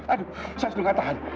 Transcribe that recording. aduh saya sudah nggak tahan